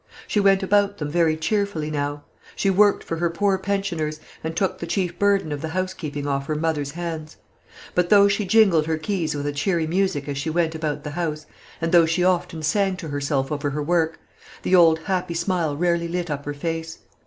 She went about them very cheerfully now. She worked for her poor pensioners, and took the chief burden of the housekeeping off her mother's hands. But though she jingled her keys with a cheery music as she went about the house, and though she often sang to herself over her work, the old happy smile rarely lit up her face.